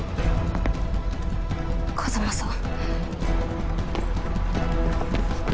風真さん。